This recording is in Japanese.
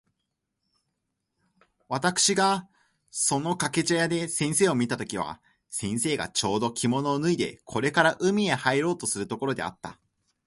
私（わたくし）がその掛茶屋で先生を見た時は、先生がちょうど着物を脱いでこれから海へ入ろうとするところであった。